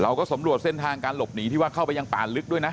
เราก็สำรวจเส้นทางการหลบหนีที่ว่าเข้าไปยังป่าลึกด้วยนะ